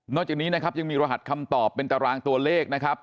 จากนี้นะครับยังมีรหัสคำตอบเป็นตารางตัวเลขนะครับ